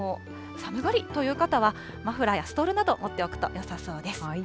寒がりという方は、マフラーやストールなど、持っておくとよさそうです。